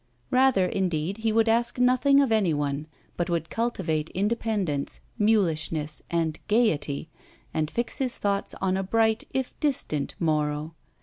Rather indeed he would ask nothing of any one, but would cultivate independence, mulishness, and gaiety, and fix his thoughts on a bright if distant morrow.